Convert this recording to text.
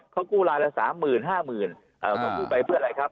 เขากู้ร้านละสามหมื่นห้าหมื่นไปเพื่ออะไรครับ